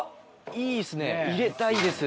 いいですね入れたいです。